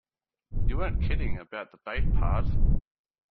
You weren't kidding about the bait part.